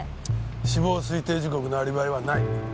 死亡推定時刻のアリバイはない。